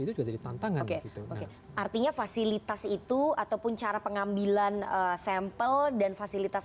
itu jadi tantangan gitu artinya fasilitas itu ataupun cara pengambilan sampel dan fasilitas